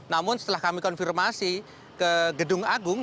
namun setelah kami konfirmasi ke gedung agung